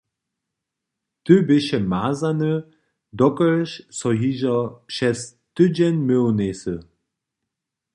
Ty běše mazany, dokelž so hižo přez tydźeń mył njejsy.